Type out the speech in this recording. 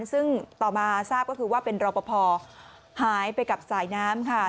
ซึ่งต่อมาทราบก็คือว่าเป็นรอปภหายไปกับสายน้ำค่ะ